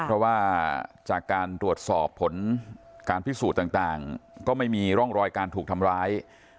เพราะว่าจากการตรวจสอบผลการพิสูจน์ต่างก็ไม่มีร่องรอยการถูกทำร้าย